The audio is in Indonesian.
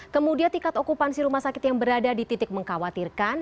kemudian tiket okupansi rumah sakit yang berada di titik mengkhawatirkan